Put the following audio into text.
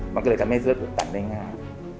มันก็เลยทำให้เส้นเลือดหดตันได้ง่าย